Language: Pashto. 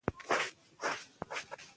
چې هوار کړي دسترخوان راته په مینه